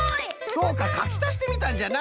そうかかきたしてみたんじゃな。